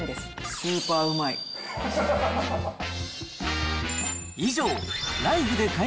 スーパーうまい。